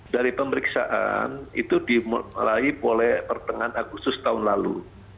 dari pemeriksaan itu dimulai pertengahan agustus tahun lalu